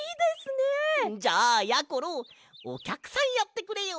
じゃあやころおきゃくさんやってくれよ。